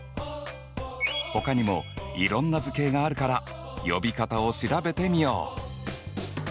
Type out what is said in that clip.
ほかにもいろんな図形があるから呼び方を調べてみよう！